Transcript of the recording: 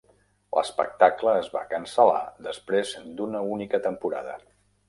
L'espectacle es va cancel·lar després d'una única temporada.